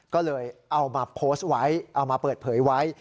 ก็เลยเอามาโพสต์ไว้เอามาเปิดเผยไว้